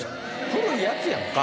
古いやつやんか。